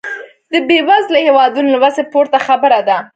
د بېوزلو هېوادونو له وسې پورته خبره ده.